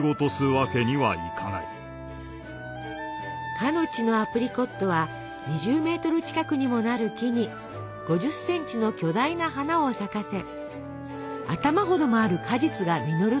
かの地のアプリコットは２０メートル近くにもなる木に５０センチの巨大な花を咲かせ頭ほどもある果実が実ると記したデュマ。